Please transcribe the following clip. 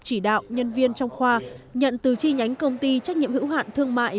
chỉ đạo nhân viên trong khoa nhận từ chi nhánh công ty trách nhiệm hữu hạn thương mại